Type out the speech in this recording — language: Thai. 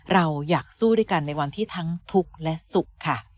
เราอยากสู้ด้วยกันในวันที่ทั้งทุกข์และสุขค่ะ